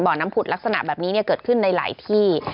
น้ำผุดลักษณะแบบนี้เกิดขึ้นในหลายที่